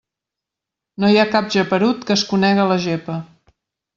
No hi ha cap geperut que es conega la gepa.